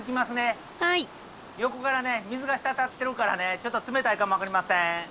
横からね水が滴ってるからねちょっと冷たいかも分かりません。